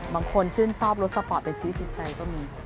บางคนชื่นชอบรถสปอร์ตไปชี้จิตใจก็มี